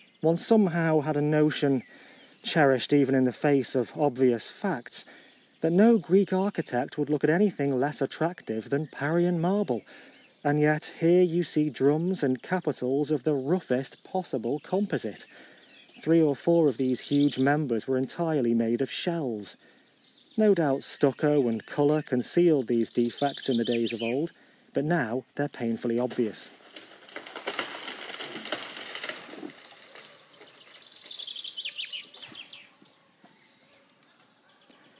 One somehow had a notion, cherish ed even in the face of obvious facts, that no Greek architect would look at anything less attractive than Parian marble; and yet here you see drums and capitals of the roughest possible composite. Three or four of these huge members were entirely made of shells ! No doubt stucco and colour concealed these defects in the days of old, but now they are painfully obvious.